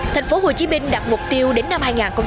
thành phố hồ chí minh đặt mục tiêu đến năm hai nghìn ba mươi